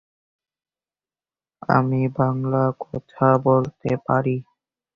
আমজাদ হোসেন শ্রেষ্ঠ পরিচালক, চিত্রনাট্যকার ও সংলাপ রচয়িতা বিভাগে তিনটি পুরস্কার লাভ করেন।